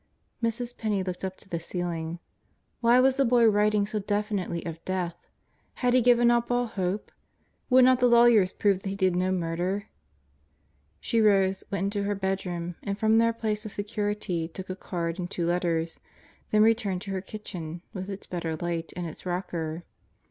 ..." Mrs. Penney looked up to the ceiling. Why was the boy writing so definitely of death? Had he given up all hope? Would not the lawyers prove that he did no murder? She rose, went into her bedroom, and from their place of security took a card and two letters, then returned to her kitchen with its better light and its rocker.